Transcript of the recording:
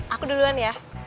aku duluan ya